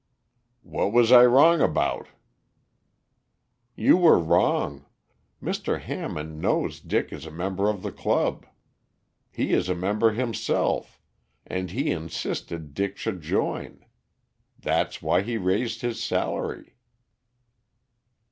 "What was I wrong about?" "You were wrong Mr. Hammond knows Dick is a member of the club. He is a member himself and he insisted Dick should join. That's why he raised his salary."